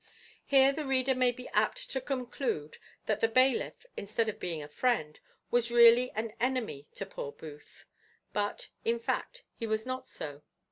Here the reader may be apt to conclude that the bailiff, instead of being a friend, was really an enemy to poor Booth; but, in fact, he was not so.